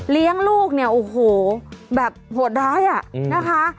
เลี้ยงลูกเนี่ยโอ้โหแบบโหดร้ายอ่ะนะคะ